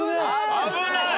危ない！